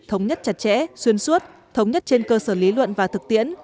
thống nhất chặt chẽ xuyên suốt thống nhất trên cơ sở lý luận và thực tiễn